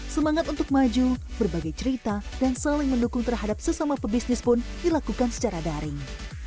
semangat untuk maju berbagi cerita dan saling mendukung terhadap sesama pebisnis pun dilakukan secara daring